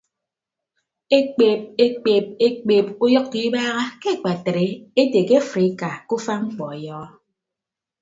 Ekpeeb ekpeeb ekpeeb uyʌkkọ ibaaha ke akpatre ete ke afrika ke ufa mkpọ ọyọhọ.